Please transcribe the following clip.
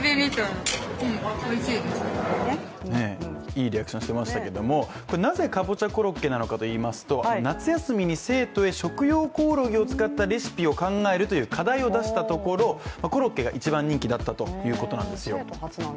いいリアクションしてましたけれどもなぜかぼちゃコロッケなのかと言いますと夏休みに生徒へ食用コオロギを使ったレシピを考えるという課題を出したところ、コロッケが一番人気だったということなんですよ。